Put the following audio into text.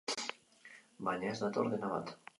Baina ez dator dena bat.